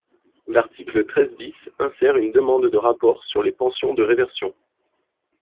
L’article treize bis insère une demande de rapport sur les pensions de réversion.